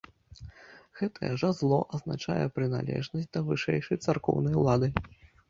Гэтае жазло азначае прыналежнасць да вышэйшай царкоўнай улады.